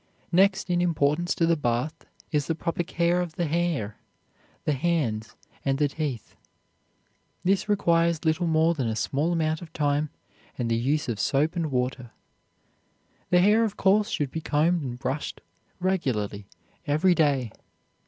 Next in importance to the bath is the proper care of the hair, the hands, and the teeth. This requires little more than a small amount of time and the use of soap and water. The hair, of course, should be combed and brushed regularly every day.